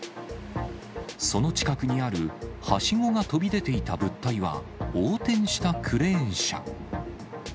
その近くにあるはしごが飛び出ていた物体は、横転したクレーン車。